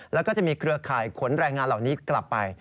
แล้วก็จะมีเครือข่ายขนแรงงานเหล่านี้กลับไป